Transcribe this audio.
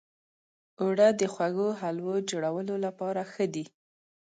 اوړه د خوږو حلوو جوړولو لپاره ښه دي